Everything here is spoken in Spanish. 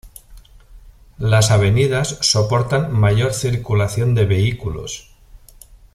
Las avenidas soportan mayor circulación de vehículos.